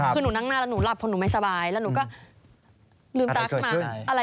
คือนุนั่งหน้านั่งตอนนี้เกิดอะไรขึ้น